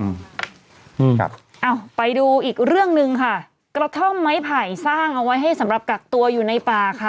อืมครับอ้าวไปดูอีกเรื่องหนึ่งค่ะกระท่อมไม้ไผ่สร้างเอาไว้ให้สำหรับกักตัวอยู่ในป่าค่ะ